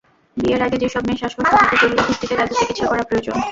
বিয়ের আগে যেসব মেয়ের শ্বাসকষ্ট থাকে জরুরি ভিত্তিতে তাঁদের চিকিৎসা করা প্রয়োজন।